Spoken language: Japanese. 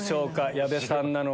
矢部さんなのか？